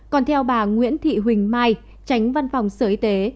còn theo bà nguyễn thị huỳnh mai tránh văn phòng sở y tế